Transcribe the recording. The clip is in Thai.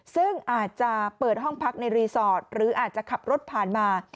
ซึ่งอาจจะเปิดห้องพักในรีสอร์ทหรืออาจจะขับรถผ่านมา